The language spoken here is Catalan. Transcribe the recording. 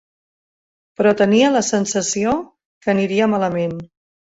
Però tenia la sensació que aniria malament.